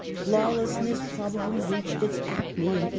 Lawlessness probably reached its acme in 1887.